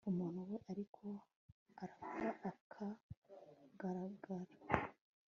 umuntu we ariko, arapfa, akagagara